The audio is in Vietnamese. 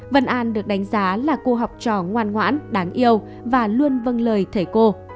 vân an được đánh giá là cô học trò ngoan ngoãn đáng yêu và luôn vân lời thầy cô